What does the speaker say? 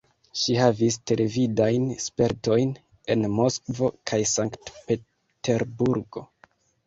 Ŝi havis televidajn spertojn en Moskvo kaj Sankt-Peterburgo.